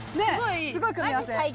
すごい組み合わせいい